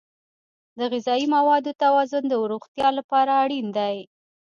د غذایي موادو توازن د روغتیا لپاره اړین دی.